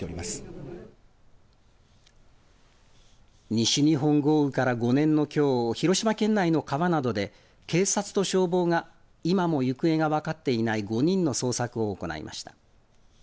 西日本豪雨から５年のきょう広島県内の川などで警察と消防が今も行方が分かっていない５人の捜索を行いました。